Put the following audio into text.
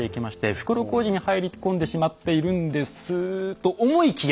袋小路に入り込んでしまっているんですと思いきや。